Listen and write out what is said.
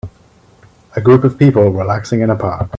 A group of people relaxing in a park.